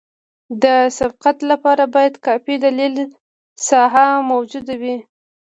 د سبقت لپاره باید کافي د لید ساحه موجوده وي